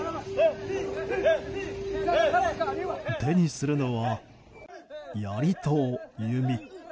手にするのは、やりと弓。